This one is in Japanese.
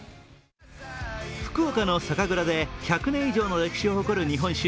福岡の酒蔵で１００年以上の歴史を誇る日本酒。